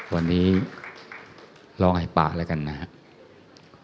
วันนี้ลองไอปากแล้วกันนะครับ